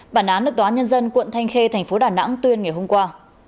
bản án được tòa án nhân dân quận thanh khê tp đà nẵng tuyên ngày hôm qua